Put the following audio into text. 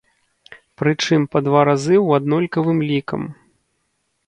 Прычым па два разы ў аднолькавым лікам.